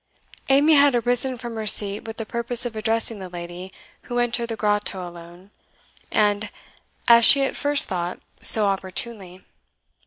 Amy had arisen from her seat with the purpose of addressing the lady who entered the grotto alone, and, as she at first thought, so opportunely.